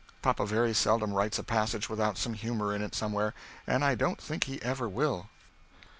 Papa very seldom writes a passage without some humor in it somewhere, and I dont think he ever will.